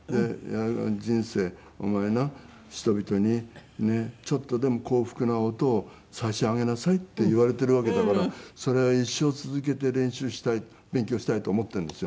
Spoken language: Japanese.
「人生お前な人々にちょっとでも幸福な音を差し上げなさい」って言われているわけだからそれは一生続けて練習したい勉強したいと思っているんですよ。